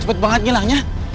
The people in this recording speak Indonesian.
cepat banget ya langnya